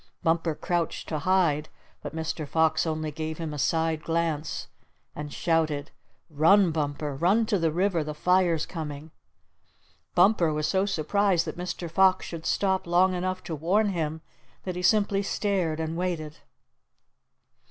Bumper crouched to hide, but Mr. Fox only gave him a side glance, and shouted: "Run, Bumper! Run to the river! The fire's coming!" Bumper was so surprised that Mr. Fox should stop long enough to warn him that he simply stared and waited.